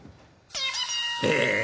ええ？